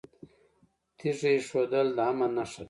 تیږه ایښودل د امن نښه ده